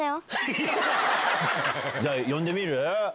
じゃあ呼んでみる？